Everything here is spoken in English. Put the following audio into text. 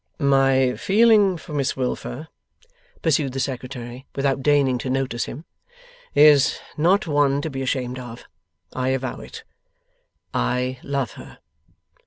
'My feeling for Miss Wilfer,' pursued the Secretary, without deigning to notice him, 'is not one to be ashamed of. I avow it. I love her.